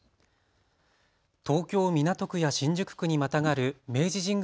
東京港区や新宿区にまたがる明治神宮